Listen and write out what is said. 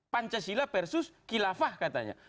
pancasila versus hilafah katanya